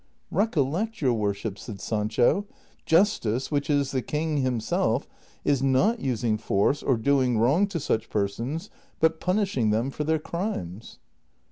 " Recollect, your worship," said Sancho, " Justice, which is the king himself, is not using force or doing wrong to such persons, but punishing them for their crimes."